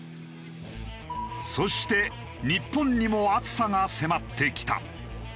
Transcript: そして日本にも暑さが迫ってきた。